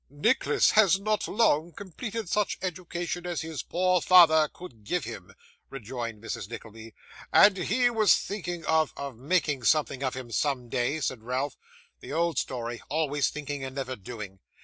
'Nicholas has not long completed such education as his poor father could give him,' rejoined Mrs. Nickleby, 'and he was thinking of ' 'Of making something of him someday,' said Ralph. 'The old story; always thinking, and never doing.